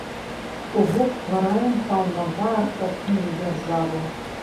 То бок, ствараем паўнавартасную дзяржаву?